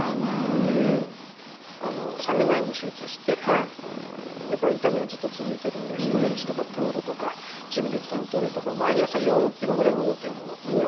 ３年前に手術してやっぱり痛みがずっと続いてるのでストレッチとかプールとかジムで筋トレとか毎朝４キロぐらいウォーキングもしてる。